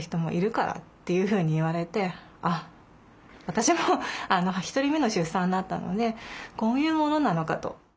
私も１人目の出産だったのでこういうものなのかと。